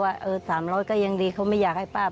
ป้าก็ทำของคุณป้าได้ยังไงสู้ชีวิตขนาดไหนติดตามกัน